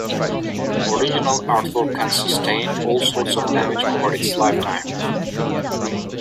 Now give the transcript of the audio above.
Original artwork can sustain all sorts of damage over its lifetime.